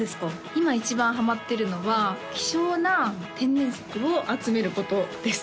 今一番ハマってるのは希少な天然石を集めることです